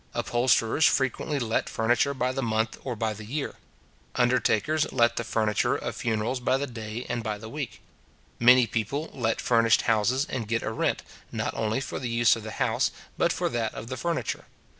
Upholsterers frequently let furniture by the month or by the year. Undertakers let the furniture of funerals by the day and by the week. Many people let furnished houses, and get a rent, not only for the use of the house, but for that of the furniture.